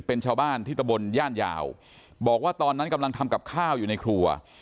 เป็นชาวบ้านที่ตะบนย่านยาวบอกว่าตอนนั้นกำลังทำกับข้าวอยู่ในครัว